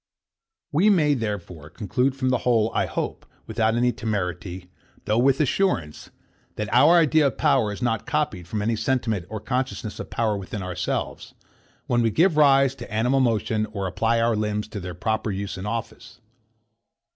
We may, therefore, conclude from the whole, I hope, without any temerity, though with assurance; that our idea of power is not copied from any sentiment or consciousness of power within ourselves, when we give rise to animal motion, or apply our limbs to their proper use and office.